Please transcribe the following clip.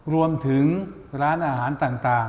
รวมถึงร้านอาหารต่าง